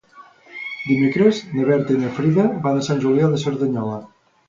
Dimecres na Berta i na Frida van a Sant Julià de Cerdanyola.